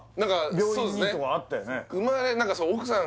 病院にとかあったよね